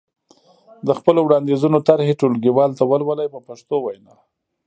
د خپلو وړاندیزونو طرحې ټولګیوالو ته ولولئ په پښتو وینا.